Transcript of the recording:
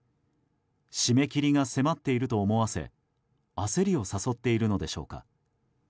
締め切りが迫っていると思わせ焦りを誘っているのでしょうか。